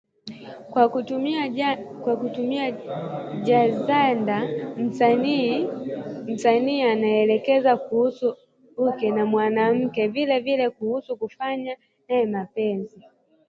Kwa kutumia jazanda, msanii anelezea kuhusu uke wa mkewe na vilevile kuhusu kufanya naye mapenzi